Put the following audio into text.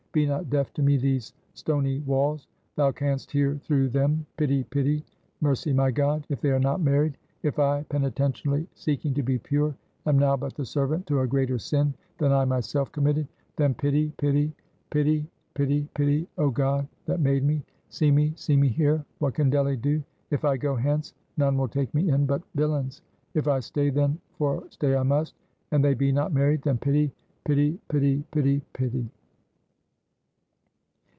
Be not deaf to me; these stony walls Thou canst hear through them. Pity! pity! mercy, my God! If they are not married; if I, penitentially seeking to be pure, am now but the servant to a greater sin, than I myself committed: then, pity! pity! pity! pity! pity! Oh God that made me, See me, see me here what can Delly do? If I go hence, none will take me in but villains. If I stay, then for stay I must and they be not married, then pity, pity, pity, pity, pity!"